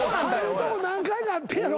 入るとこ何回かあってんやろ？